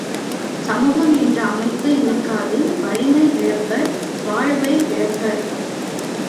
சமூகம் என்ற அமைப்பு இருக்காது வலிமை இழப்பர் வாழ்வை இழப்பர்.